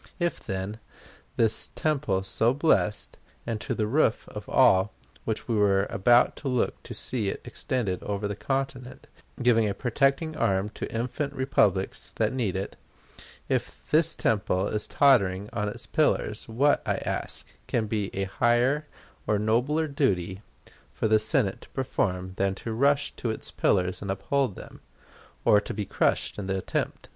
If, then, this temple so blessed, and to the roof of which we were about to look to see it extended over the continent, giving a protecting arm to infant republics that need it if this temple is tottering on its pillars, what, I ask, can be a higher or nobler duty for the Senate to perform than to rush to its pillars and uphold them, or be crushed in the attempt?